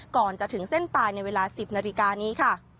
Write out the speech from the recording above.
ก่อนจะถึงเส้นตายในเวลา๑๐นาฬิกานี้ค่ะ